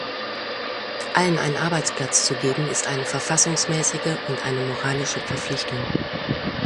Allen einen Arbeitsplatz zu geben ist eine verfassungsmäßige und eine moralische Verpflichtung.